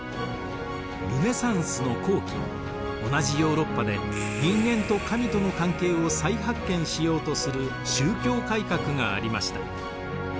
ルネサンスの後期同じヨーロッパで人間と神との関係を再発見しようとする宗教改革がありました。